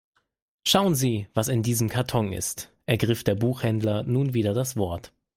Schauen Sie, was in diesem Karton ist, ergriff der Buchhändler nun wieder das Wort.